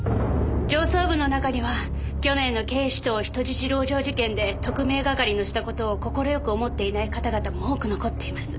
上層部の中には去年の警視庁人質籠城事件で特命係のした事を快く思っていない方々も多く残っています。